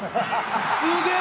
「すげえ！」